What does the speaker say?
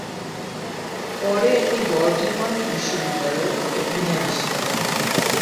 পরে এটি বর্ধমান বিশ্ববিদ্যালয়ের অধীনে আসে।